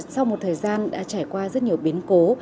sau một thời gian đã trải qua rất nhiều biến cố